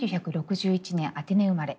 １９６１年アテネ生まれ。